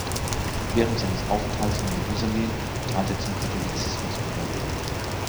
Während seines Aufenthalts in Jerusalem trat er zum Katholizismus über.